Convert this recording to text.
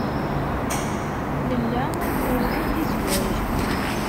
Nella nuweḍ-d i zzwaj.